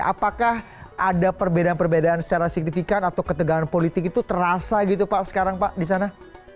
apakah ada perbedaan perbedaan secara signifikan atau ketegangan politik itu terasa gitu pak sekarang pak di sana